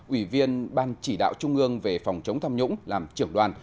ủy viên ban chỉ đạo trung ương về phòng chống tham nhũng làm trưởng đoàn